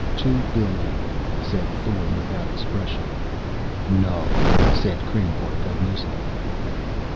"Two billion," said Thorn without expression. "No," said Kreynborg amusedly.